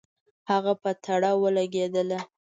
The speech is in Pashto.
هغه په تړه ولګېدله.